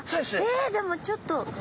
えでもちょっと。